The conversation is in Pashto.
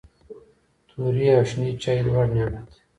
توري او شنې چايي دواړه نعمت دی.